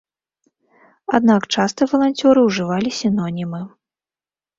Аднак часта валанцёры ўжывалі сінонімы.